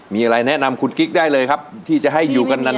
มีอะไรแนะนำคุณกิ๊กได้เลยครับที่จะให้อยู่กันนาน